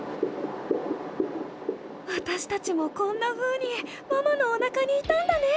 わたしたちもこんなふうにママのおなかにいたんだね！